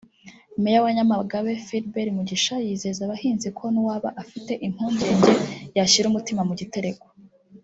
Meya wa Nyamagabe Philbert Mugisha yizeza abahinzi ko n’uwaba afite impungenge yashyira umutima mu gitereko